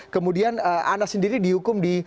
kemudian ana sendiri dihukum di